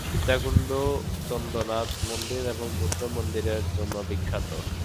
সীতাকুণ্ড চন্দ্রনাথ মন্দির এবং বৌদ্ধ মন্দিরের জন্য বিখ্যাত।